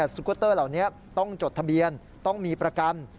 สกุตเตอร์เหล่านี้ต้องจดทะเบียนต้องมีประกัน